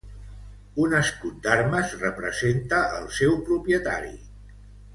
Un escut d'armes representa el seu propietari.